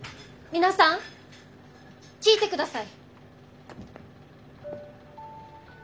皆さん聞いてください！